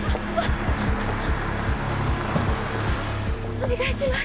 お願いします。